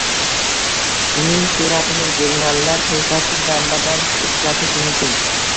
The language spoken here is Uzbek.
Uning suratini jurnallar sahifasida damba-dam uchratish mumkin